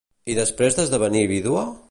I després d'esdevenir vídua?